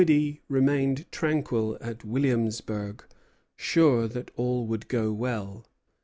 Dinwiddie remained tranquil at Williamsburg, sure that all would go well.